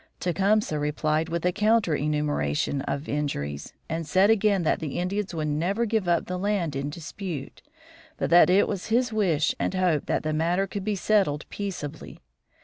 Tecumseh replied with a counter enumeration of injuries, and said again that the Indians would never give up the land in dispute, but that it was his wish and hope that the matter could be settled peaceably.